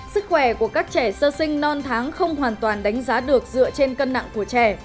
sức khỏe của các trẻ sơ sinh non tháng không hoàn toàn đánh giá được dựa trên cân nặng của trẻ